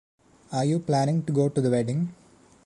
Are you planning to go to the wedding?